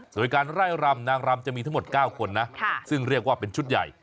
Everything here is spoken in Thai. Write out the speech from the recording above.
โดยการไล่รำนางรำจะมีทั้งหมด๙คนนะซึ่งเรียกว่าเป็นชุดใหญ่